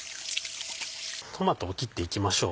トマトを切っていきましょう。